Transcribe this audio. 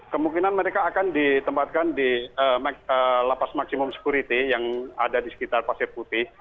kemungkinan mereka akan ditempatkan di lapas maksimum security yang ada di sekitar pasir putih